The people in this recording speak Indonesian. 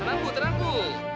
tenang bu tenang bu